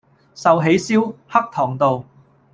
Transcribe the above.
壽喜燒-黑糖道